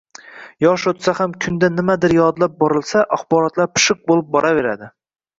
Yosh o‘tsa ham kunda nimadir yodlab borilsa, axborotlar pishiq bo‘lib boraveradi